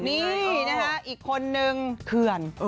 นี่นะคะอีกคนนึงเถื่อน